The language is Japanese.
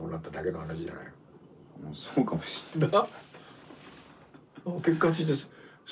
まあそうかもしれない。